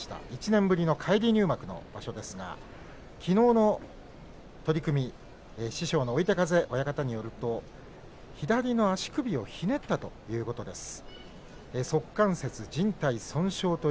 １年ぶりの返り入幕の場所ですがきのうの取組師匠の追手風親方によると左の足首をひねったということです。